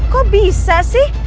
kalau bisa sih